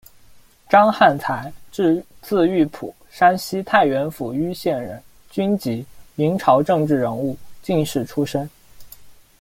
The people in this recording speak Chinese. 张翰才，字育甫，山西太原府盂县人，军籍，明朝政治人物、进士出身。